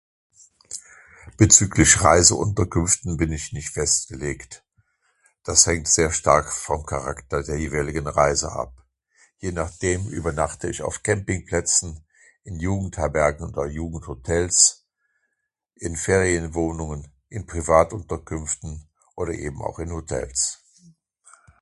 Bezüglich Reiseunterkünften bin ich nicht festgelegt. Das hängt sehr stark vom Charakter der jeweiligen Reise ab. Je nach dem übernachte ich auf Campingplätzen, in Jugendherbergen, oder Jugendhotels, in Ferienwohnungen, in Privatunterkünften oder eben auch in Hotels.